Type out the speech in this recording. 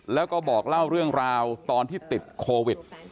แล้วก็บอกเล่าเรื่องราวตอนที่ติดโควิด